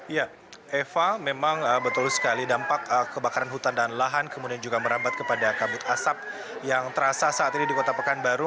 ya eva memang betul sekali dampak kebakaran hutan dan lahan kemudian juga merambat kepada kabut asap yang terasa saat ini di kota pekanbaru